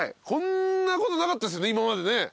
こんなことなかったですよね？